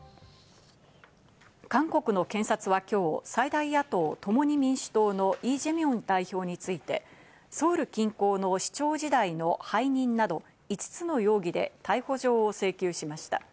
韓国の検察は今日、最大野党「共に民主党」のイ・ジェミョン代表について、ソウル近郊の市長時代の背任など５つの容疑で逮捕状を請求しました。